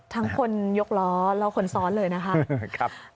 คนยกล้อแล้วคนซ้อนเลยนะคะ